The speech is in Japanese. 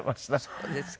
そうですか。